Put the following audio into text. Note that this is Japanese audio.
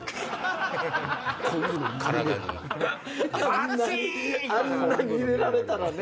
あんなに入れられたらね。